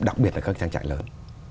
đặc biệt là các trang trại lớn